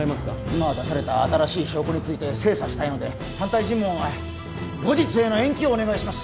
今出された新しい証拠について精査したいので反対尋問は後日への延期をお願いします